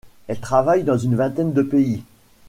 Elle travaille dans une vingtaine de pays.